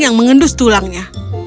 yang mengendus tulangnya